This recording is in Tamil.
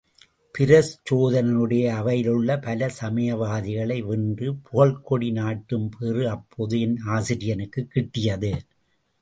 பிரச்சோதனனுடைய அவையிலுள்ள பல சமயவாதிகளை வென்று புகழ்க்கொடி நாட்டும் பேறு அப்போது என் ஆசிரியனுக்குக் கிட்டியது.